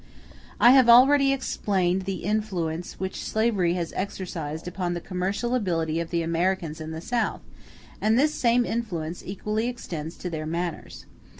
I have already explained the influence which slavery has exercised upon the commercial ability of the Americans in the South; and this same influence equally extends to their manners.